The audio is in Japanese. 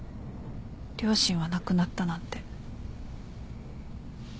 両親は亡くなったなんて。